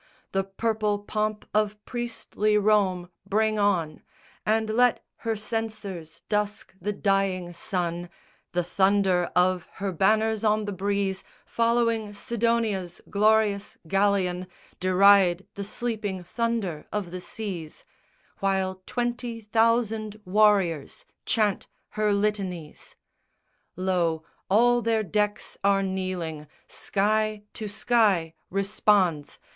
The purple pomp of priestly Rome bring on; And let her censers dusk the dying sun, The thunder of her banners on the breeze Following Sidonia's glorious galleon Deride the sleeping thunder of the seas, While twenty thousand warriors chant her litanies. Lo, all their decks are kneeling! Sky to sky Responds!